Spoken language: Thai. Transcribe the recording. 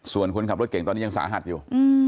ส่วนคนขับรถเก่งตอนนี้ยังสาหัสอยู่